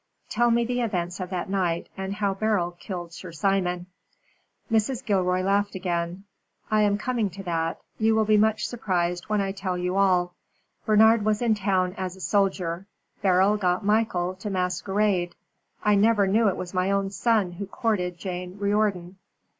"Tell me the events of that night, and how Beryl killed Sir Simon." Mrs. Gilroy laughed again. "I am coming to that. You will be much surprised when I tell you all. Bernard was in town as a soldier; Beryl got Michael to masquerade. I never knew it was my own son who courted Jane Riordan.